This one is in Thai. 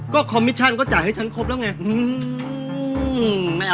คอมมิชชั่นก็จ่ายให้ฉันครบแล้วไง